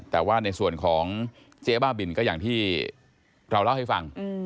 แต่ว่าในส่วนของเจ๊บ้าบินก็อย่างที่เราเล่าให้ฟัง